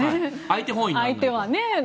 相手はね。